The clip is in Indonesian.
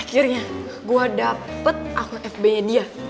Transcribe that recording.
akhirnya gue dapet akun fb nya dia